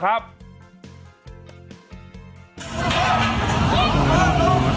เจ้าบ้านในระแวกนั้นเอิมระอาหมดแล้วล่ะครับ